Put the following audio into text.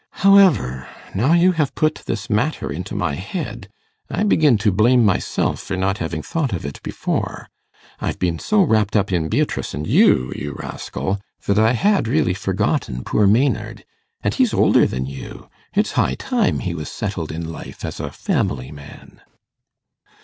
However, now you have put this matter into my head, I begin to blame myself for not having thought of it before. I've been so wrapt up in Beatrice and you, you rascal, that I had really forgotten poor Maynard. And he's older than you it's high time he was settled in life as a family man.